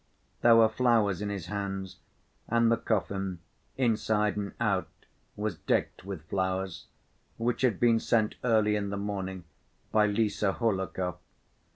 There were flowers in his hands and the coffin, inside and out, was decked with flowers, which had been sent early in the morning by Lise Hohlakov.